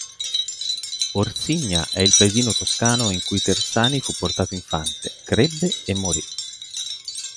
Orsigna è il paesino toscano in cui Terzani fu portato infante, crebbe e morì.